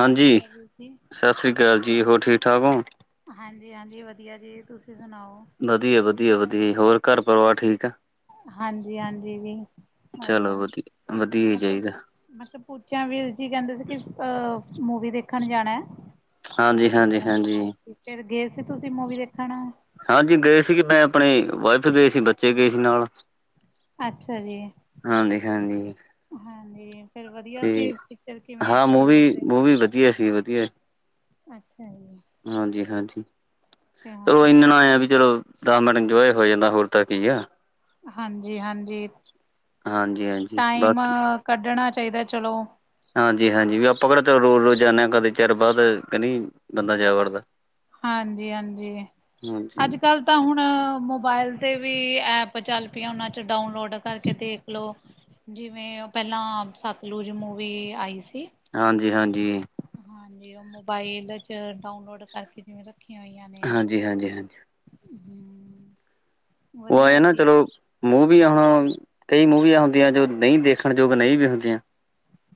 ਸਤਿ ਸ਼੍ਰੀ ਅਕਾਲ ਵੀਰ ਜੀ। ਸਤਿ ਸ਼੍ਰੀ ਅਕਾਲ ਜੀ ਹੋਰ ਠੀਕ ਠਾਕ ਹੋ? ਹਾਂਜੀ-ਹਾਂਜੀ, ਵਧੀਆ ਜੀ ਤੁਸੀਂ ਸੁਣਾਓ? ਵਧੀਆ, ਵਧੀਆ, ਵਧੀਆ ਜੀ ਹੋਰ ਘਰ ਪਰਿਵਾਰ ਠੀਕ ਆ। ਹਾਂਜੀ-ਹਾਂਜੀ, ਜੀ ਚਲੋ ਵਧੀਆ, ਵਧੀਆ ਹੀ ਮਤਲਬ ਚਾਹੀਦਾ ਮੈਂ ਕਿਹਾ ਪੁੱਛਾ ਵੀਰ ਜੀ ਕਹਿੰਦੇ ਸੀ ਕਿ ਅ ਮੂਵੀ ਦੇਖਣ ਜਾਣਾ। ਹਾਂਜੀ ਹਾਂਜੀ ਸਹੀਆ ਹਾਂਜੀ ਫਿਰ ਗਏ ਸੀ ਤੁਸੀਂ ਮੂਵੀ ਦੇਖਣ? ਹਾਂਜੀ ਗਏ ਸੀਗੇ ਮੈਂ ਆਪਣੀ ਵਾਈਫ ਗਏ ਸੀ ਬੱਚੇ ਗਏ ਸੀ ਨਾਲ। ਅੱਛਾ ਜੀ, ਹਾਂਜੀ ਹਾਂਜੀ ਹਾਂਜੀ। ਫਿਰ ਵਧੀਆ ਸੀ ਪਿਕਚਰ ਕਿਵੇਂ ਆ ਐਕਸਪ੍ਰੀਅਸ, ਉਹ ਵੀ ਵਧੀਆ ਸੀ ਵਧੀਆ। ਅੱਛਾ ਜੀ। ਹਾਂਜੀ- ਹਾਂਜੀ ਚਲੋ ਹੁਸ਼ਿਆਰਪੁਰ। ਇਨਾਂ ਨਾਲ ਆਏਆ ਵੀ ਚਲੋ, ਦਸ ਮਿੰਟ ਇੰਜੋਏ ਹੋ ਜਾਂਦਾ ਹੋਰ ਤਾਂ ਕੀ ਆ। ਹਾਂਜੀ- ਹਾਂਜੀ, ਹਾਂਜੀ ਹਾਂਜੀ ਟਾਈਮ ਬਾਕੀ ਕੱਢਣਾ ਚਾਹੀਦਾ ਚਲੋ। ਹਾਂਜੀ -ਹਾਂਜੀ ਵੀ ਆਪਾਂ ਕਿਹੜਾ ਰੋਜ਼- ਰੋਜ਼ ਜਾਂਨੇ ਆ ਕਦੇ ਚਿਰ ਬਾਅਦ ਕਿ ਨਹੀਂ ਬੰਦਾ ਜਾ ਵੜਦਾ। ਹਾਂਜੀ- ਹਾਂਜੀ ਹਾਂਜੀ ਅੱਜ ਕੱਲ ਤਾਂ ਹੁਣ ਮੋਬਾਇਲ ਤੇ ਵੀ, ਐਪ ਚੱਲ ਪਈਆਂ ਉਹਨਾਂ ਚ ਡਾਊਨਲੋਡ ਕਰਕੇ ਦੇਖਲਓ। ਜਿਵੇਂ ਉਹ ਪਹਿਲਾਂ ਸਤਲੁਜ ਮੂਵੀ ਆਈ ਸੀ। ਹਾਂਜੀ- ਹਾਂਜੀ। ਹਾਂਜੀ ਉਹ ਮੋਬਾਈਲ ਚ ਡਾਊਨਲੋਡ ਕਰਕੇ ਜਿਵੇਂ ਰੱਖੀਆਂ ਹੋਈਆਂ ਨੇ। ਹਾਂਜੀ ਹਾਂਜੀ ਹਾਂਜੀ ਹੂੰ। ਉਹ ਆਏ ਨਾ ਚਲੋ, ਮੂਵੀਆਂ ਹੁਣ, ਕਈ ਮੂਵੀਆਂ ਹੁੰਦੀਆਂ ਜੋ ਨਹੀਂ ਦੇਖਣ ਯੋਗ ਨਹੀਂ ਵੀ ਹੁੰਦੀਆਂ।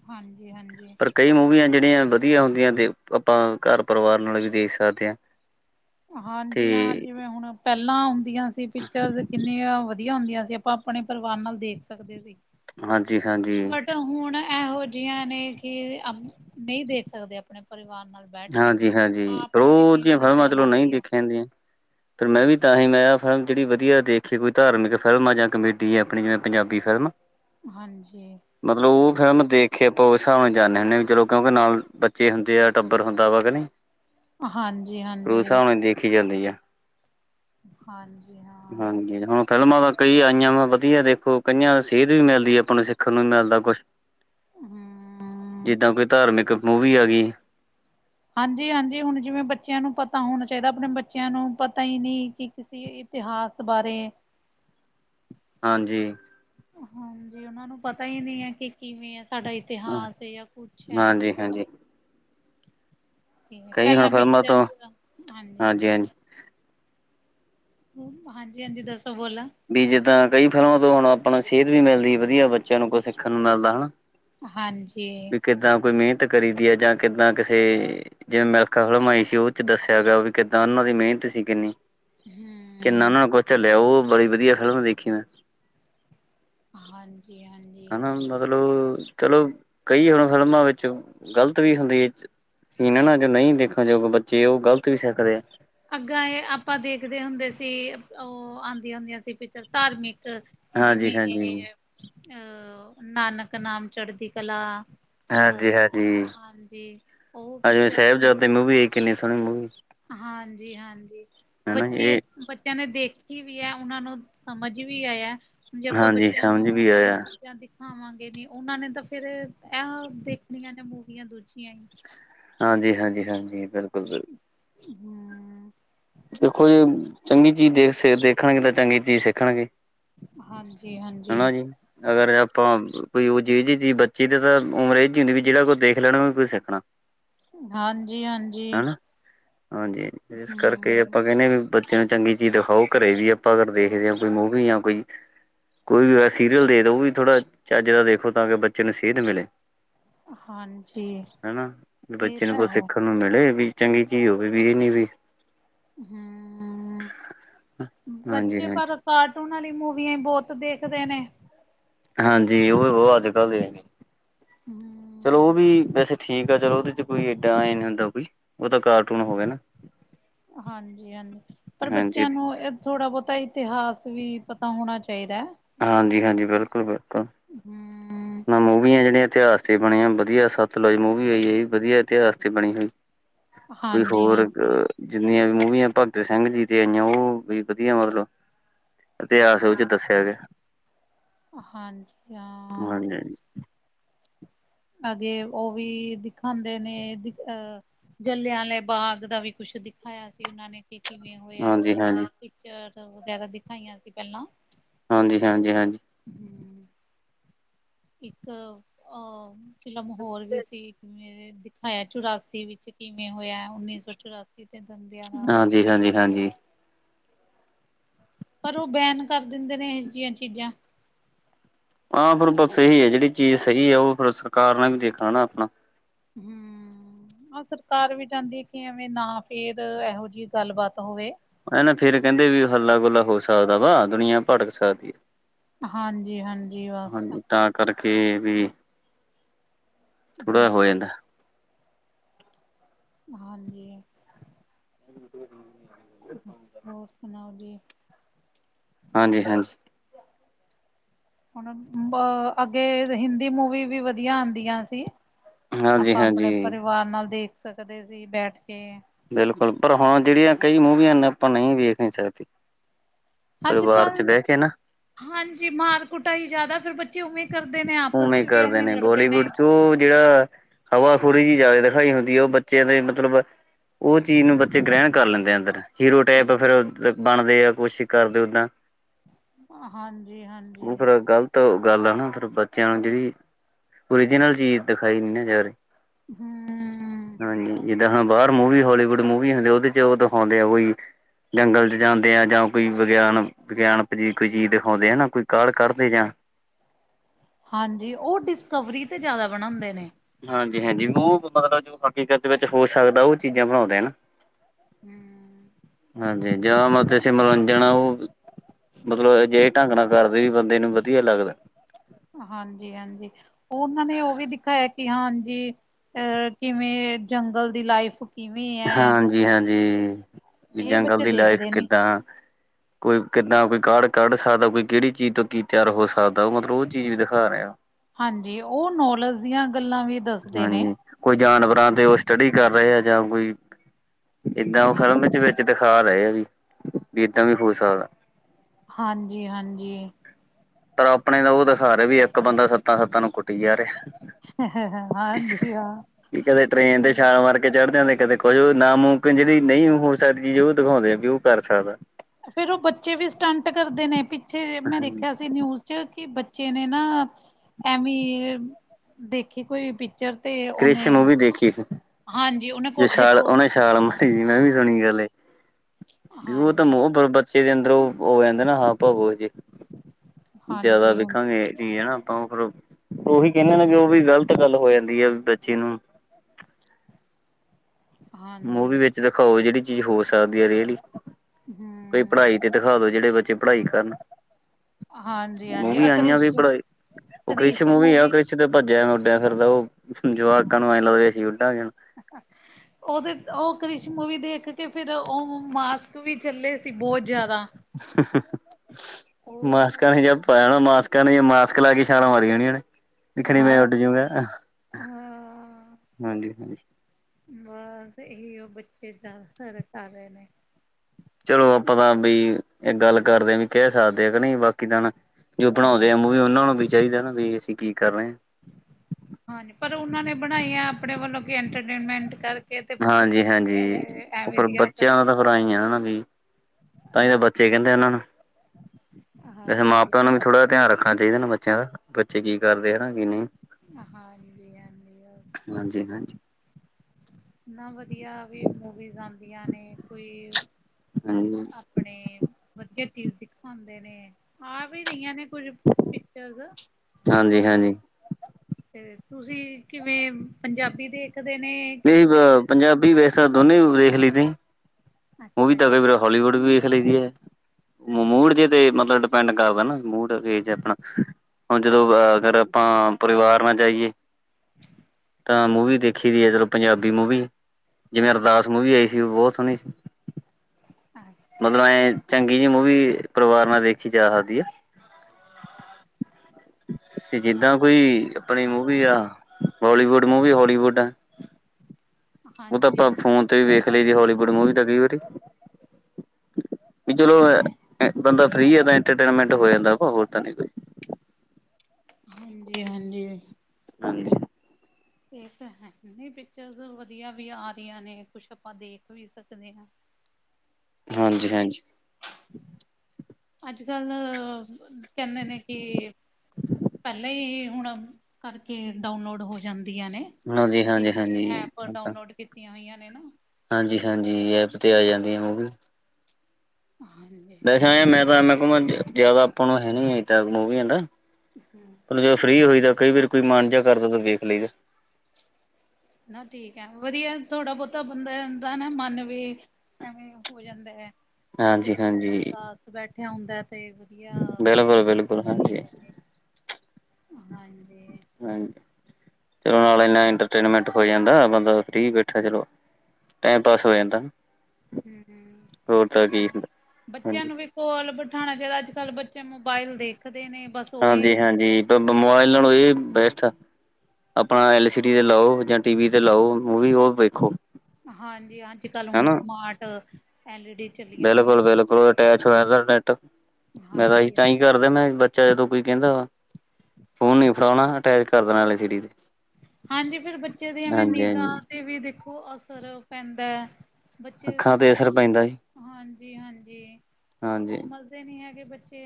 ਹਾਂਜੀ- ਹਾਂਜੀ। ਪਰ ਕਈ ਮੂਵੀਆਂ ਜਿਹੜੀਆਂ ਵਧੀਆ ਹੁੰਦੀਆਂ ਤੇ ਆਪਾਂ ਘਰ ਪਰਿਵਾਰ ਨਾਲ ਵੀ ਦੇਖ ਸਕਦੇ ਹਾਂ। ਹਾਂਜੀ- ਹਾਂਜੀ ਤੇ ਜਿਵੇਂ ਹੁਣ, ਪਹਿਲਾਂ ਹੁੰਦੀਆਂ ਸੀ ਪਿਕਚਰਸ ਕਿੰਨੀਆਂ ਵਧੀਆ ਹੁੰਦੀਆਂ ਸੀ ਆਪਾਂ ਆਪਣੇ ਪਰਿਵਾਰ ਨਾਲ ਦੇਖ ਸਕਦੇ - ਸੀ। ਹਾਂਜੀ- ਹਾਂਜੀ। ਤੇ ਹੁਣ ਇਹੋ ਜਿਹੀਆਂ ਨੇ ਕਿ ਆ ਨਹੀਂ ਦੇਖ ਸਕਦੇ ਆਪਣੇ ਪਰਿਵਾਰ ਨਾਲ। ਬੈਠ ਕੇ ਵੀ ਹਾਂਜੀ- ਹਾਂਜੀ ਆਪ ਨੂੰ ਵੀ ਕਈ ਰੋਜ਼ਇਆਂ ਵਾਰੀ ਫਿਲਮਾਂ ਸ਼ਰਮ ਚਲੋ ਨਹੀਂ ਆਉਂਦੀ ਹੈ। ਦੇਖੀਆਂ ਜਾਂਦੀਆਂ। ਫੇਰ ਮੈਂ ਵੀ ਤਾਂ ਹੀ ਮੈਂ ਫਿਲਮ ਜਿਹੜੀ ਵਧੀਆ ਦੇਖੀ ਕੋਈ ਧਾਰਮਿਕ ਫਿਲਮ ਆ ਜਾਂ ਕਮੇਡੀ ਏ ਆਪਣੀ ਜਿਵੇਂ ਪੰਜਾਬੀ ਫਿਲਮ। ਹਾਂਜੀ। ਮਤਲਬ ਉਹ ਫਿਲਮ ਦੇਖ ਕੇ ਆਪਾਂ ਉਸ ਹਿਸਾਬ ਨਾਲ ਜਾਂਦੇ ਹੁੰਦੇ ਹਾਂ ਵੀ ਜਦੋ ਕਿਉਂਕਿ ਨਾਲ ਬੱਚੇ ਹੁੰਦੇ ਆ। ਟੱਬਰ ਹੁੰਦਾ ਵਾ ਕਿ ਨਹੀਂ, ਹਾਂਜੀ, ਫੇ ੳਸ ਹਾਂਜੀ, ਹਿਸਾਬ ਨਾਲ ਦੇਖੀ ਜਾਂਦੀ ਆ ਹਾਂਜੀ ਹਾਂ। ਹਾਂਜੀ ਹੁ- ਫਿਲਮਾਂ ਤਾਂ ਕਈ ਆਈਆਂ ਵਾ ਵਧੀਆ ਦੇਖੋ ਕਈਆਂ ਸੇਧ ਵੀ ਮਿਲਦੀ ਆਪਾਂ ਨੂੰ ਸਿੱਖਣ ਨੂੰ ਮਿਲਦਾ ਕੁਛ। ਹੂੰ, ਜਿੱਦਾਂ ਕੋਈ ਧਾਰਮਿਕ ਮੂਵੀ ਆ ਗਈ। ਹਾਂਜੀ- ਹਾਂਜੀ ਹੁਣ ਜਿਵੇਂ ਬੱਚਿਆਂ ਨੂੰ ਪਤਾ ਹੋਣਾ ਚਾਹੀਦਾ ਆਪਣੇ ਬੱਚਿਆਂ ਨੂੰ ਪਤਾ ਹੀ ਨਹੀਂ ਕਿ ਕਿਸੇ ਇਤਿਹਾਸ ਬਾਰੇ। ਹਾਂਜੀ। ਹਾਂਜੀ ਉਹਨਾਂ ਨੂੰ ਪਤਾ ਹੀ ਨਹੀਂ ਏ ਕਿ ਕਿਵੇਂ ਹੈ ਸਾਡਾ ਇਤਿਹਾਸ ਹੈ ਜਾਂ ਕੁਛ ਹੈ। ਹਾਂਜੀ ਹਾਂਜੀ। ਕਿਵੇਂ ਕਈ ਪਹਿਲਾਂ ਹੁਣ ਫਿਲਮਾਂ ਪਿਕਚਰ, ਤੋਂ ਹਾਂਜੀ ਹੂੰ ਹਾਂਜੀ- ਹਾਂਜੀ ਦੱਸੋ ਬੋਲੋ। ਵੀ ਜਿੱਦਾਂ ਕਈ ਫਿਲਮਾਂ ਤੋ ਹੁਣ ਆਪਣਾ ਨ ਸੇਧ ਵੀ ਮਿਲਦੀਆ ਵਧੀਆ ਬੱਚਿਆਂ ਨੂੰ ਕੁਛ ਸਿਖ਼ਣ ਨੂੰ ਮਿਲਦਾ ਹਨਾ। ਹਾਂਜੀ। ਵੀ ਕਿੱਦਾਂ ਕੋਈ ਮਿਹਨਤ ਕਰੀ ਦੀ ਹੈ ਜਾਂ ਕਿੱਦਾਂ ਕਿਸੇ ਜਿਵੇਂ ਮਿਲਖਾ ਫਿਲਮ ਆਈ ਸੀ ਉਹ ਚ ਦੱਸਿਆ ਗਿਆ ਵੀ ਕਿੱਦਾਂ ਉਹਨਾਂ ਦੀ ਮਿਹਨਤ ਸੀ ਕਿੰਨੀ। ਹੂੰ। ਕਿੰਨਾ ਉਹਨਾਂ ਨੇ ਕੁਛ ਝੱਲਿਆ ਉਹ ਬੜੀ ਵਧੀਆ ਫਿਲਮ ਦੇਖੀ ਮੈਂ। ਹਾਂਜੀ ਹਾਂ। ਹਨਾ ਮਤਲਬ ਚਲੋ, ਕਈ ਹੁਣ ਫਿਲਮਾਂ ਵਿੱਚ ਗ਼ਲਤ ਵੀ ਹੁੰਦੀ। ਨਹੀ ਨਾ ਜੋ ਨਹੀਂ ਦੇਖਣ ਜੋਗ ਬੱਚੇ ਉਹ ਗਲਤ ਵੀ ਸਿੱਖਦੇ ਆ। ਅੱਗਾਂ ਇਹ ਆਪਾਂ ਦੇਖਦੇ ਹੁੰਦੇ ਸੀ ਉਹ ਆਂਦੀਆਂ ਹੁੰਦੀਆਂ ਸੀ ਪਿਕਚਰ ਧਾਰਮਿਕ। ਜਿਵੇਂ ਹਾਂਜੀ-ਹਾਂਜੀ। ਏ ਅਹ, ਨਾਨਕ ਨਾਮ ਚੜ੍ਹਦੀ ਕਲਾ। ਅਹ ਹਾਂਜੀ-ਹਾਂਜੀ ਹਾਂਜੀ, ਉਹ ਆ ਜਿਵੇਂ ਪਿਕਚਰ ਸਾਹਿਬਜ਼ਾਦੇ ਮੂਵੀ ਆਈ ਕਿੰਨੀ ਸੋਹਣੀ ਮੂਵੀ ਹਾਂਜੀ- ਹਾਂਜੀ ਹਨਾ ਬੱਚੇ ਇਹ ਬੱਚਿਆਂ ਨੇ ਦੇਖੀ ਵੀ ਹੈ, ਉਹਨਾਂ ਨੂੰ ਸਮਝ ਵੀ ਆਇਆ। ਜੇ ਆਪਾਂ ਹਾਂਜੀ ਬੱਚਿਆਂ ਸਮਝ ਨੂੰ ਵੀ ਇਹੋ ਆਇਆ ਚੀਜ਼ਾਂ ਦੀ ਦਿਖਵਾਂਗੇ ਨੀ ਉਹਨਾਂ ਨੇ ਤਾਂ ਫਿਰ ਇਹ ਦੇਖਣੀਆਂ ਨੇ ਮੂਵੀਆਂ ਦੂਜੀਆਂ ਹੀ ਹਾਂਜੀ, ਹਾਂਜੀ, ਹਾਂਜੀ ਬਿਲਕੁਲ-ਬਿਲਕੁਲ ਹਮ ਦੇਖੋ ਜੀ ਚੰਗੀ ਚੀਜ਼ ਦੇਖ ਦੇਖਣਗੇ, ਤਾਂ ਚੰਗੀ ਚੀਜ਼ ਸਿੱਖਣਗੇ ਹਾਂਜੀ-ਹਾਂਜੀ। ਹਨਾ ਜੀ ਅਗਰ ਆਪਾਂ ਕੋਈ ਉਹ ਚੀਜੀ ਬੱਚੀ ਤੇ ਤਾਂ ਉਮਰ ਇਹ ਜਹੀ ਹੁੰਦੀ, ਵੀ ਜਿਹੜਾ ਕੋਈ ਦੇਖ ਲੈਣਾ ਵੀ ਕੁਛ ਸਿੱਖਣਾ। ਹਾਂਜੀ- ਹਾਂਜੀ ਹਨਾ। ਹਾਂਜੀ, ਇਸ ਕਰਕੇ ਕਿ ਹਮ ਆਪਾਂ ਕਹਿੰਦੇ ਵੀ ਬੱਚਿਆਂ ਨੂੰ ਚੰਗੀ ਚੀਜ਼ ਦਿਖਾਓ ਘਰੇ ਵੀ, ਆਪਾਂ ਅਗਰ ਦੇਖਦੇ ਹਾਂ ਕੋਈ ਮੂਵੀ ਜਾਂ ਕੋਈ ਕੋਈ ਵੀ ਸੀਰੀਅਲ ਦੇ ਉਹ ਵੀ ਥੋੜਾ ਚੱਜ ਦਾ ਦੇਖੋ, ਤਾਂ ਕਿ ਬੱਚੇ ਨੂੰ ਸੇਧ ਮਿਲੇ। ਹਾਂਜੀ ਹਨਾ ਵੀ ਇਹ ਬੱਚੇ ਨੂੰ ਤਾਂ ਕੁਛ ਹੈ ਸਿੱਖਣ ਨੂੰ ਮਿਲੇ ਵੀ ਚੰਗੀ ਚੀਜ਼ ਹੋਵੇ ਵੀ ਇਹ ਨੀ ਵੀ ਹਮ ਮ ਹਾਂਜੀ ਬੱਚੇ ਹਾਂ ਪਰ ਕਾਰਟੂਨ ਆਲੀ ਮੂਵੀਆਂ ਬਹੁਤ ਦੇਖਦੇ ਨੇ ਹਾਂਜੀ ਉਹ ਵੀ ਬਹੁ ਅੱਜ- ਕੱਲ ਦੇਖਦੇ ਨੇ ਚਲੋ ਉਹ ਹਮ ਵੀ ਵੈਸੇ ਠੀਕ ਆ ਚਲੋ ਉਹਦੇ ਚ ਕੋਈ ਏਡਾ ਨੀ ਹੁੰਦਾ ਕੋਈ ਉਹ ਤਾਂ ਕਾਰਟੂਨ ਹੋ ਗਏ ਨਾ ਹਾਂਜੀ -ਹਾਂਜੀ ਪਰ ਹਾਂਜੀ ਬੱਚਿਆਂ ਨੂੰ ਥੋੜ੍ਹਾ ਬਹੁਤਾ ਇਤਿਹਾਸ ਵੀ ਪਤਾ ਹੋਣਾ ਚਾਹੀਦਾ ਐ। ਹਾਂਜੀ -ਹਾਂਜੀ, ਬਿਲਕੁਲ -ਬਿਲਕੁਲ ਹਮ ਨਾ ਮੂਵੀਆਂ ਜਿਹੜੀਆਂ ਇਤਿਹਾਸ ਤੇ ਬਣਿਆ, ਵਧੀਆ ਸਤਲੁਜ ਮੂਵੀ ਆਈ ਜੀ ਵਧੀਆ, ਇਤਿਹਾਸ ਤੇ ਬਣੀ ਹੋਈ। ਕੋਈ ਹਾਂਜੀ ਹੋਰ ਹਾਂਜੀ ਜਿੰਨੀਆਂ ਵੀ ਮੂਵੀਆਂ ਭਗਤ ਸਿੰਘ ਜੀ ਤੇ ਆਈਆਂ ਉਹ ਵੀ ਵਧੀਆ ਮਤਲਬ ਇਤਿਹਾਸ ਉਹ ਚ ਦੱਸਿਆ ਗਿਆ। ਹਾਂਜੀ ਹਾਂ [unintelligible] ਅਗੇ ਉਹ ਵੀ ਦਿਖਾਦੇ ਨੇ ਅਹ ਜਲਿਆਂਲੇ ਵਾਲੇ ਬਾਗ ਦਾ ਵੀ ਕੁਛ ਦਿਖਾਇਆ ਸੀ ਉਹਨਾਂ ਨੇ ਕਿ ਕਿਵੇਂ ਹੋਇਆ, ਹਾਂਜੀ ਹਾਂਜੀ ਪਿਕਚਰ ਵਗੈਰਾ ਦਿਖਾਂਆਂ ਸੀ ਪਹਿਲਾਂ ਹਾਂਜੀ, ਹਾਂਜੀ, ਹਾਂਜੀ ਹਮ ਇੱਕ ਅ ਫਿਲਮ ਹੋਰ ਵੀ ਸੀ, ਵੇ ਦਿਖਾਇਆ ਚੁਰਾਸੀ ਵਿੱਚ ਕਿਵੇਂ ਹੋਇਆ, ਉੱਨੀ ਸੌ ਚੁਰਾਸੀ ਇਥੇ ਬੰਦਿਆਂ ਦਾ ਜੀ, ਹਾਂਜੀ- ਹਾਂਜੀ ਪਰ ਉਹ ਬੈਨ ਕਰ ਦਿੰਦੇ ਨੇ ਇਹੋ ਜਿਹੀਆਂ ਚੀਜ਼ਾਂ ਹਾਂ ਫਿਰ ਬਸ ਸਹੀ ਏ ਜਿਹੜੀ ਚੀਜ਼ ਸਹੀ ਏ, ਉਹ ਫਿਰ ਸਰਕਾਰ ਨੇ ਵੀ ਦੇਖਣਾ ਨਾ ਆਪਣਾ ਹਮ ਹਾਂ ਸਰਕਾਰ ਵੀ ਚਾਹੁੰਦੀ ਏ, ਕਿ ਐਵੇਂ ਨਾ ਫੇਰ ਇਹੋ ਜਿਹੀ ਗੱਲਬਾਤ ਹੋਵੇ ਐ ਨਾ ਫੇਰ ਕਹਿੰਦੇ ਵੀ ਹੱਲਾ ਗੁੱਲਾ ਹੋ ਸਕਦਾ ਵਾ, ਦੁਨੀਆਂ ਭੜਕ ਸਕਦੀ। ਹਾਂਜੀ ਹਾਂਜੀ ਹੈ ਬਸ। ਹਾਂਜੀ ਤਾਂ ਕਰਕੇ ਵੀ, ਥੋੜਾ ਜਿਹਾ ਹੋ ਹੂੰ ਜਾਂਦਾ। ਹਾਂਜੀ। [unintelligible] ਹੋਰ ਸੁਣਾਓ ਜੀ? ਹਾਂਜੀ ਹਾਂਜੀ। ਹੁਣ ਅ ਅੱਗੇ ਹਿੰਦੀ ਮੂਵੀ ਵੀ ਵਧੀਆ ਆਦੀਆਂ ਸੀ। ਹਾਂਜੀ ਆਪਾਂ ਹਾਂਜੀ ਆਪਣੇ ਪਰਿਵਾਰ ਨਾਲ ਦੇਖ ਸਕਦੇ ਸੀ ਬੈਠ ਕੇ। ਬਿਲਕੁਲ ਪਰ ਹੁਣ ਜਿਹੜੀਆਂ ਕਈ ਮੂਵੀਆਂ ਨੇ ਆਪਾਂ ਨਹੀਂ ਵੇਖ ਨਹੀਂ ਸਕਦੇ। ਪਰਿਵਾਰ ਚ ਅੱਜ-ਕੱਲ ਬਹਿ ਕੇ ਨਾ ਹਾਂਜੀ ਮਾਰ ਕੁਟਾਈ ਜ਼ਿਆਦਾ ਫਿਰ ਬੱ ਉਵੇਂ ਕਰਦੇ ਨੇ ਬੋਲੀਵੁੱਡ ਚ ਉਹ ਜਿਹੜਾ ਹਵਾ ਖੁਰੀ ਜਿਹੀ ਜ਼ਿਆਦਾ ਦਿਖਾਈ ਹੁੰਦੀ ਆ ਉਹ ਬੱਚਿਆਂ ਦੇ ਮਤਲਬ ਉਹ ਚੀਜ਼ ਨੂੰ ਬੱਚੇ ਗ੍ਰਹਿਣ ਕਰ ਲੈਂਦੇ ਆ ਅੰਦਰ। ਹੀਰੋ ਟਾਈਪ ਫਿਰ ਬਣਦੇ ਆ, ਕੋਸ਼ਿਸ਼ ਕਰਦੇ ਓਦਾਂ। ਹਾਂਜੀ ਹਾਂਜੀ। ਤੋ ਗੱਲ ਆ ਨਾ ਫਿਰ ਬੱਚਿਆਂ ਨੂੰ ਜਿਹੜੀ, ਓਰੀਜਨਲ ਚੀਜ਼ ਦਿਖਾਈ ਨੀ ਨਾ ਜਾ ਰਹੀ। ਹੂੰ। ਹਾਂਜੀ ਜਿੱਦਾਂ ਹੁਣ ਬਾਹਰ ਮੂਵੀ ਹੋਲੀਵੁੱਡ ਮੂਵੀ ਹੁੰਦੀ ਉਹਦੇ ਚ ਉਹ ਦਿਖਾਉਂਦੇ ਆ ਓਈ ਜੰਗਲ ਚ ਜਾਂਦੇ ਆ ਜਾਂ ਕੋਈ ਵਿਗਿਆਨ ਵਿਗਿਆਨਪ ਜੀ ਕੋਈ ਚੀਜ਼ ਦਿਖਾਉਂਦੇ ਹਨਾ ਕੋਈ ਕਾਲ ਕੱਢਦੇ ਜਾਂ ਹਾਂਜੀ ਉਹ ਡਿਸਕਵਰੀ ਤੇ ਜ਼ਿਆਦਾ ਬਣਾਉਂਦੇ ਨੇ। ਹਾਂਜੀ ਹਾਂਜੀ ਉਹ ਮਤਲਬ ਜੋ ਹਕੀਕਤ ਦੇ ਵਿੱਚ ਹੋ ਸਕਦਾ ਉਹ ਚੀਜ਼ਾਂ ਬਣਾਉਂਦੇ ਆ ਨਾ। ਹੂੰ। ਹਾਂਜੀ ਹਾਂਜੀ ਜਾ ਉੱਥੇ ਸੀ ਮਨੋਰੰਜਨ ਉਹ ਮਤਲਬ ਅਜਿਹੇ ਢੰਗ ਨਾਲ ਕਰਦੇ ਵੀ ਬੰਦੇ ਨੂੰ ਵਧੀਆ ਲੱਗਦਾ। ਹਾਂਜੀ ਹਾਂਜੀ। ਉਹਨਾਂ ਨੇ ਉਹ ਵੀ ਦਿਖਾਇਆ ਕਿ ਹਾਂਜੀ ਅਹ ਕਿਵੇਂ ਜੰਗਲ ਦੀ ਲਾਈਫ ਕਿਵੇਂ ਐ। ਜੀ ਹਾਂਜੀ, ਕੀ ਜੰਗਲ ਦੀ ਲਾਈਫ ਦੇਖਦੇ ਨੇ ਕਿੱਦਾਂ। ਕੋਈ ਕਿੱਦਾਂ ਕੋਈ ਕਾਢ ਕੱਢ ਸਕਦਾ, ਕੋਈ ਕਿਹੜੀ ਚੀਜ਼ ਤੋਂ ਕੀ ਤਿਆਰ ਹੋ ਸਕਦਾ ਉਹ ਮਤਲਬ ਉਹ ਚੀਜ਼ ਵੀ ਦਿਖਾ ਰਿਹੇ ਆ। ਹਾਂਜੀ ਉਹ ਨੌਲੇਜ ਦੀਆਂ ਗੱਲਾਂ ਵੀ ਦੱਸਦੇ ਨੇ। ਹਾਂਜੀ ਕੋਈ ਜਾਨਵਰਾਂ ਤੇ ਉਹ ਸਟੱਡੀ ਕਰ ਰਹੇ ਆ ਜਾਂ ਕੋਈ ਏਦਾਂ ਫਿਲਮ ਚ ਹਾਂਜੀ ਵਿਚ ਦਿਖਾ ਰਹੇ ਆ ਵੀ, ਵੀ ਏਦਾਂ ਵੀ ਹੋ ਸਕਦਾ। ਹਾਂਜੀ ਹਾਂਜੀ। ਪਰ ਆਪਣੇ ਤਾਂ ਉਹ ਦਿਖਾ ਰਹੇ ਆ ਵੀ ਇੱਕ ਬੰਦਾ ਸੱਤਾਂ ਸੱਤਾਂ ਨੂੰ ਕੁੱਟੀ ਜਾ ਰਿਹਾ। ਹਾਂਜੀ ਹਾਂ, ਵੀ ਕਦੇ ਟ੍ਰੇਨ ਤੇ ਸਹੀ ਗੱਲ। ਛਾਲ ਮਾਰ ਚੜ੍ਹ ਜਾਂਦੇ ਕਦੇ ਕੁਝ ਹੋ ਜਾਂਦਾ ਮੁਮਕਿਨ ਜਿਹੜੀ ਨਹੀਂ ਹੋ ਸਕਦੀ ਚੀਜ਼ ਉਹ ਦਿਖਾਉਦੇ ਵੀ ਉਹ ਕਰ ਸਕਦਾ। ਫੇਰ ਉਹ ਬੱਚੇ ਵੀ ਸਟੰਟ ਕਰਦੇ ਨੇ ਪਿੱਛੇ ਮੈਂ ਦੇਖਿਆ ਸੀ ਨਿਊਜ਼ ਕਿ ਬੱਚੇ ਨੇ ਨਾ ਐਵੇਂ ਦੇਖੀ ਕੋਈ ਪੀਚਰ ਪੀਚਰ ਤੇ ਕ੍ਰਿਸ਼ ਉਹਨੇ ਮੂਵੀ ਦੇਖੀ ਸੀ ਹਾਂਜੀ, ਉਹਨੇ ਜੋ ਕੋਠੇ ਛਾਲ ਤੋਂ ਉਹਨੇ ਛਾਲ ਅੱਛਾ ਮਾਰੀ ਸੀ ਮੈਂ ਵੀ ਹਾਂ। ਸੁਣੀ ਗੱਲ ਏ ਵੀ ਉਹ ਤਾਂ ਮੋਹ ਫਿਰ ਬੱਚੇ ਦੇ ਅੰਦਰ ਉਹ ਹੋ ਜਾਂਦਾ ਨਾ ਹਾਵ ਭਾਵ ਹੋਜੇ। ਜ਼ਿਆਦਾ ਹਾਂਜੀ ਹੁਣ ਵੇਖਾਂਗੇ ਏ ਚੀਜ਼ ਹਨਾ ਆਪਾਂ ਓ ਫੇਰ ਉਹੀ ਕਹਿੰਦੇ ਨੇ ਕਿ ਉਹ ਵੀ ਗ਼ਲਤ ਗੱਲ ਹੋ ਜਾਂਦੀ ਐ ਬੱਚੇ ਨੂੰ ਹਾਂਜੀ ਮੂਵੀ ਵਿੱਚ ਦਿਖਾਓ ਜਿਹੜੀ ਚੀਜ਼ ਹੋ ਸਕਦੀ ਐ ਰੀਅਲੀ। ਕੋਈ ਹਮ ਪੜ੍ਹਾਈ ਤੇ ਦਿਖਾ ਦੋ ਜਿਹੜੇ ਬੱਚੇ ਪੜ੍ਹਾਈ ਕਰਨ [unintelligible] ਹਾਂਜੀ ਹਾਂਜੀ ਆ ਕ੍ਰਿਸ਼ ਉਹ ਕ੍ਰਿਛ ਮੂਵੀ ਆ ਕ੍ਰਿਛ ਕਿਤੇ ਭੱਜਿਆ ਉੱਡਿਆ ਫਿਰਦਾ ਉਹ ਜਵਾਕਾਂ ਨੂੰ ਐ ਲੱਗ ਅਸੀ ਵੀ ਉੱਡਾਗੇ ਹੁਣ [inaudible] ਉਹਦੇ ਉਹ ਕ੍ਰਿਸ਼ ਮੂਵੀ ਦੇਖ ਕੇ ਫਿਰ ਉਹ ਮਾਸਕ ਵੀ ਚੱਲੇ ਸੀ ਬਹੁਤ ਜ਼ਿਆਦਾ ਹੋਰ ਮਾਸਕਾਂ ਦਾ ਮੈਂ ਜੱਬ ਪਾਇਆ ਮਾਸਕਾਂ ਨੇ ਮਾਸਕ ਲਾ ਕੇ ਛਾਲਾਂ ਮਾਰੀ ਜਾਣੀਆਂ ਨੇ ਦਿਖਣੀ ਮੈਂ ਹਾਂ ਉੱਡ ਜੂਂਗਾ ਹਾਂ ਹਾਂਜੀ ਹਾਂਜੀ ਬਸ ਇਹੀ ਉਹ ਬੱਚੇ ਜ਼ਿਆਦਾ ਤਰ ਕਾਰ ਰਹੇ ਨੇ ਚਲੋ ਆਪਾਂ ਤਾਂ ਬਈ ਇਹ ਗੱਲ ਕਰਦੇ ਵੀ ਕਹਿ ਸਕਦੇ ਕਿ ਨਹੀਂ ਬਾਕੀ ਤਾਂ ਜੋ ਬਣਾਉਂਦੇ ਉ ਉਹਨਾਂ ਨੂੰ ਵੀ ਚਾਹੀਦਾ ਨਾ ਵੀ ਅਸੀਂ ਕੀ ਕਰ ਰਹੇ ਹਾਂ ਹਾਂਜੀ ਪਰ ਉਹਨਾਂ ਨੇ ਬਣਾਈਆਂ ਆਪਣੇ ਵੱਲੋਂ ਕਿ ਇੰਟਰਟੇਨਮੈਂਟ ਕਰ ਹਾਂਜੀ ਹਾਂਜੀ ਉਹ ਪਰ ਦੀਆਂ ਬੱਚਿਆਂ ਕਰਦੇ ਦਾ ਥੋੜ੍ਹਾ ਐਂਈ ਆ ਹਨਾ ਬੀ ਤਾਂ ਹੀ ਤਾਂ ਹਾਂ ਬੱਚੇ ਕਹਿੰਦੇ ਉਹਨਾਂ ਨੂੰ ਵੈਸੇ ਮਾਂ ਹਾਂਜੀ। ਪਿਓ ਨੂੰ ਵੀ ਥੋੜ੍ਹਾ ਜਿਹਾ ਧਿਆਨ ਰੱਖਣਾ ਚਾਹੀਦਾ ਨਾ ਬ ਚਿਰਾਂ ਦਾ ਬੱਚੇ ਕੀ ਕਰ ਰਹੇ ਹਨਾ ਕੀ ਨਹੀਂ ਹਾਂਜੀ ਹਾਂਜੀ ਹਾਂਜੀ ਹਾਂਜੀ [unintelligible] ਨਾ ਵਧੀਆ ਵੀ ਮੂਵੀਜ਼ ਆਉਂਦੀਆਂ ਨੇ ਕੋਈ ਹਾਂਜੀ ਆਪਣੇ ਵਧੀਆ ਚੀਜ਼ ਦਿਖਾਉਂਦੇ ਨੇ ਆ ਵੀ ਰਹੀਆਂ ਨੇ ਕੁਝ ਪਿਕਚਰਜ਼ ਹਾਂਜੀ ਤੇ ਹਾਂਜੀ ਤੇ ਤੁਸੀਂ ਕਿਵੇਂ ਪੰਜਾਬੀ ਦੇਖਦੇ ਨੇ ਕਿ ਤੁਸੀਂ ਸਾ ਦੋਨੇ ਵੇਖ ਲਈ ਦੀ ਮੂਵੀ ਅੱਛਾ ਤਾਂ ਜੀ ਕਈ ਵਾਰ ਹਾਲਲੀਵੁੱਡ ਵੀ ਦੇਖ ਲਈ ਦੀ ਹੈ ਮੂ ਮੂਡ ਜੇ ਤੇ ਮਤਲਬ ਡਿਪੈਂਡ ਕਰਦਾ ਨਾ ਮੂਡ ਜੇ ਜੇ ਆਪਣਾ ਹੁਣ ਜਦੋਂ ਹਾਂ ਅਗਰ ਆਪਾਂ ਪਰਿਵਾਰ ਨਾ ਜਾਈਏ ਤਾਂ ਮੂਵੀ ਦੇਖ ਖੀ ਦੀ ਏ ਜਦੋਂ ਪੰਜਾਬੀ ਮੂਵੀ ਜਿਵੇਂ ਹਾਂ ਅਰਦਾਸ ਮੂਵੀ ਆਈ ਸੀ ਉਹ ਬਹੁਤ ਸੋਹਣੀ ਸੀ ਹਾਂ ਮਤਲਬ ਐਂ ਚੰਗੀ ਜਿਹੀ ਮੂਵੀ ਪਰਵਾਰ ਨਾਲ ਵੇਖੀ ਜਾ ਸਕਦੀ ਐ [unintelligible] ਤੇ ਜਿੱਦਾਂ ਕੋਈ ਆਪਣੀ ਮੂਵੀ ਆ ਬੋਲੀਵੁੱਡ ਮੂਵੀ ਹੋਲੀਵੁੱਡ ਆ ਉਹ ਤਾਂ ਹਾਂਜੀ ਆਪਾਂ ਫੋਨ ਤੇ ਵੀ ਵੇਖ ਲਈ ਦੀ ਆ ਹੋਲੀਵੁੱਡ ਮੂਵੀ ਤਾਂ ਗਈ ਵਾਰੀ ਵੀ ਚਲੋ ਹਾਂ ਏਂ ਏਂ ਬੰਦਾ ਫਰੀ ਆ ਤੇ ਇੰਟਰਟੇਨਮੈਂਟ ਹੋ ਜਾਂਦਾ ਹੋਰ ਤਾਂ ਨਹੀਂ ਕੋਈ ਹਾਂਜੀ ਹਾਂਜੀ ਹਾਂਜੀ ਇਹ ਤਾਂ ਹੈ ਨਹੀਂ ਪਿਕਚਰਸ ਵਧੀਆ ਵੀ ਆ ਰਹੀਆਂ ਨੇ ਕੁੱਛ ਆਪਾਂ ਦੇਖ ਵੀ ਸਕਦੇ ਹਾਂ ਹਾਂਜੀ ਹਾਂਜੀ ਅੱਜ ਕੱਲ ਕਹਿੰਦੇ ਨੇ ਕਿ ਪਹਿਲਾਂ ਹੀ ਹੁਣ ਕਰਕੇ ਡਾਊਨਲੋਡ ਹੋ ਜਾਂਦੀਆਂ ਨੇ ਹਾਂਜੀ ਹਾਂਜੀ ਕਈਆਂ ਨੇ ਐਪ ਹਾਂਜੀ ਡਾਊਨਲੋਡ ਕੀਤੀਆਂ ਹੋਈਆਂ ਨੇ ਨਾ ਹਾਂਜੀ ਹਾਂਜੀ ਐਪ ਤੇ ਆ ਜਾਂਦੀਆਂ ਮੂਵੀ ਹਾਂਜੀ ਵੈਸੇ [unintelligible] ਐਵੇਂ ਜਿਆਦਾ ਆਪਾਂ ਨੂੰ ਹੈਨੀ ਇਦਾਂ ਮੂਵੀਆਂ ਦਾ ਹਮ ਹੁਣ ਜਦੋਂ ਫਰੀ ਹੋਈਦਾ ਕਈ ਵਾਰੀ ਕੋਈ ਮਨ ਜਿਹਾ ਕਰਦਾ ਵੇਖ ਲਈਦਾ ਨਾ ਠੀਕ ਹੈ ਵਧੀਆ ਥੋੜ੍ਹਾ ਬਹੁਤਾ ਬੰਦਾ ਦਾ ਨਾ ਮਨ ਵੀ ਐਵੇਂ ਹੋ ਜਾਂਦਾ ਹੈ ਹਾਂਜੀ ਚਲੋ ਹਾਂਜੀ ਬੰਦਾ [unintelligible] ਚ ਬੈਠਿਆਂ ਹੁੰਦਾ ਤੇ ਬਿਲਕੁਲ ਬਿਲਕੁਲ ਹਾਂਜੀ [unintelligible] ਹਾਂਜੀ। ਹਾਂਜੀ ਚਲੋ ਨਾਲ ਏਨਾ ਇੰਟਰਟੇਨਮੈਂਟ ਹੋ ਜਾਂਦਾ ਬੰਦਾ ਫਰੀ ਬੈਠਾ ਚਲੋ। ਟੈਮ ਪਾਸ ਹੋ ਜਾਂਦਾ ਨਾ। ਹੂੰ- ਹੂੰ ਇਹ ਤਾਂ ਹੈ, ਹੁੰਦਾ ਬੱਚਿਆਂ ਹਾਂਜੀ ਨੂੰ ਵੀ ਕੋਲ ਬਿਠਾਣਾ ਚਾਈਦਾ, ਅੱਜ ਕੱਲ ਬੱਚੇ ਮੋਬਾਇਲ ਦੇਖਦੇ ਨੇ ਬਸ। ਉਹੀ ਹਾਂਜੀ- ਹਾਂਜੀ ਤੇ ਬਮ ਮੋਬਾਇਲ ਨਾਲੋਂ ਇਹ ਬੈਸਟ ਆ। ਆਪਣਾ ਐਲ ਸੀ ਡੀ ਲਓ, ਜਾਂ ਟੀ ਵੀ ਤੇ ਲਾਓ ਮੂਵੀ ਉਹ ਵੇਖੋ। ਹਾਂਜੀ ਹਾਂ ਅੱਜ ਕੱਲ ਹੁਣ ਹਨਾ ਸਮਾਰਟ ਐੱਲ ਈ ਡੀ। ਚੱਲੀਆਂ ਹੋਈਆਂ ਬਿਲਕੁਲ- ਨੇ ਬਿਲਕੁਲ ਅਟੈਚ ਹੋ ਜਾਂਦਾ ਨੈੱਟ, ਮੈਂ ਤਾਂ ਅਹੀ ਹਾਂਜੀ ਤਾਂ ਐ ਈ ਕਰ ਦੇ ਬੱ ਚਾ ਜਦੋਂ ਕੋਈ ਕਹਿੰਦਾ ਵਾ, ਫ਼ੋਨ ਨੀ ਫੜਾਣਾ ਅਟੈਚ ਕਰ ਦੇਣਾ ਐੱਲ ਸੀ ਡੀ ਚ। ਹਾਂਜੀ, ਫਿਰ ਬੱਚਿਆਂ ਦੀ ਐਵੇਂ ਨਿੱਗਾ ਹਾਂਜੀ ਤੇ ਵੀ ਦੇਖੋ ਅਸਰ ਪੈਂਦਾ ਐ। ਬੱਚੇ ਅੱਖਾਂ ਤੇ ਸਮਝ ਅਸਰ ਪੈਂਦਾ ਜੀ ਹਾਂਜੀ- ਹਾਂਜੀ ਹਾਂਜੀ ਸਮਝ ਦੇ ਨੀ ਹੈਗੇ ਬੱਚੇ,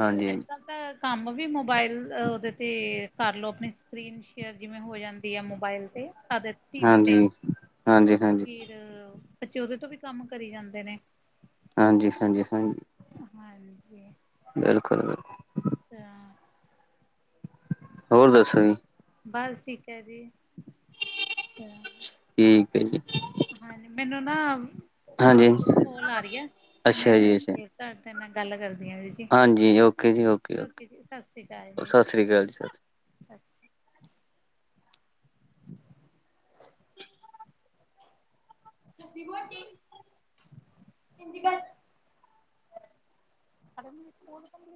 ਹਾਂਜੀ ਅੱਜ਼ ਹਾਂਜੀ ਕੱਲ। ਆ ਕੰਮ ਵੀ ਮੋਬਾਇਲ ਉਹਦੇ ਤੇ ਕਰ ਲਓ ਆਪਣੀ ਸ ਸਕੀਨ ਸ਼ੇਅਰ ਜਿਵੇਂ ਹੋ ਜਾਂਦੀ ਆ, ਮੋਬਾਇਲ ਤੇ ਤਦ ਹਾਂਜੀ-ਹਾਂਜੀ ਹਾਂ ਫੇਰ ਬੱਚੇ ਉਹਦੇ ਤੋਂ ਵੀ ਕੰਮ ਕਰੀ ਜਾਂਦੇ ਨੇ। ਹਾਂਜੀ- ਹਾਂਜੀ, ਹਾਂ ਹਾਂਜੀ। ਬਿਲਕੁਲ- ਬਿਲਕੁਲ। ਅੱਛਾ। ਹੋਰ ਦੱਸੋ ਜੀ। ਬਸ ਠੀਕ ਐ ਜੀ, ਆ ਠੀਕ ਏ ਜੀ। ਹਾਂਜੀ ਮੈਨੂੰ ਨਾ ਹਾਂਜੀ ਕੋਲ ਆ ਰਹੀ ਐ, ਤੇ ਮੈਂ ਅੱਛਾ ਜੀ ਅੱਛਾ ਫਿਰ ਤਾਡੇ ਨਾ ਗੱਲ ਕਰਦੀ ਆਂ ਵੀ ਹਾਂਜੀ ਓਕੇ ਜੀ ਓਕੇ- ਓਕੇ ਸਾਸ੍ਰੀ ਕਾਲ ਜੀ ਸਾਸੀ ਅੱਛ [inaudible] [unintelligible]